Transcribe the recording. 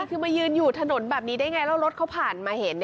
คือมายืนอยู่ถนนแบบนี้ได้ไงแล้วรถเขาผ่านมาเห็น